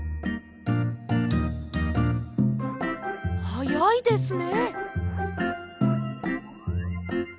はやいですね。